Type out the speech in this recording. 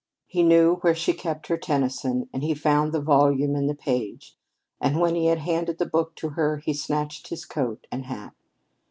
He knew where she kept her Tennyson, and he found the volume and the page, and when he had handed the book to her, he snatched his coat and hat.